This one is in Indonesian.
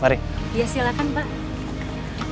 ya silakan pak